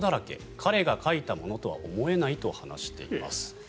彼が書いたものとは思えないと話しています。